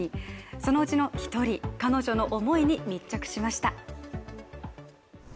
そのうちの一人彼女の思いに密着しました。